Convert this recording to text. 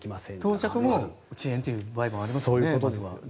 到着も遅延という場合がありますよね。